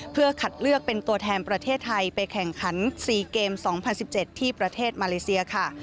เพื่อคัดเลือกเป็นตัวแทนประเทศไทยไปแข่งขัน๔เกม๒๐๑๗ที่ประเทศมาเลเซียค่ะ